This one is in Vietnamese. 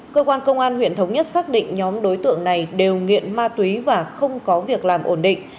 cơ quan công an huyện thống nhất xác định nhóm đối tượng này đều nghiện ma túy và không có việc làm ổn định